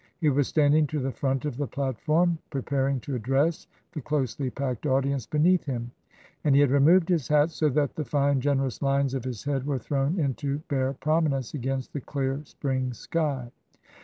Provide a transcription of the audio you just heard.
He was standing to the front of the platform preparing to address the closely packed audi ence beneath him, and he had removed his hat so that the fine, generous lines of his head were thrown into bare prominence against the clear spring sky.